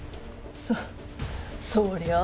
そそりゃあ。